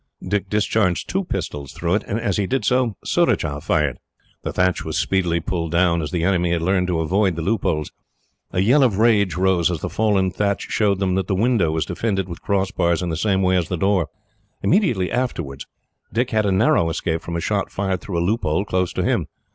Dick discharged two pistols through it, and as he did so Surajah fired. The thatch was speedily pulled down, as the enemy had learned to avoid the loopholes. A yell of rage rose, as the fallen thatch showed them that the window was defended with crossbars, in the same way as the door. Immediately afterwards, Dick had a narrow escape from a shot fired through a loophole close to him.